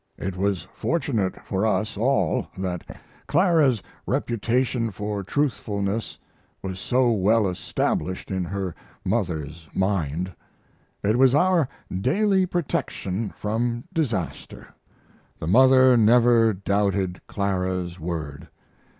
It was fortunate for us all that Clara's reputation for truthfulness was so well established in her mother's mind. It was our daily protection from disaster. The mother never doubted Clara's word.